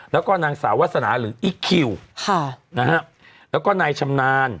แล้วก็นางสาววัษณาหรืออิคคิวแล้วก็นายชำนาญ